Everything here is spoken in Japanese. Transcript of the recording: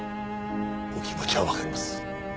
お気持ちはわかります。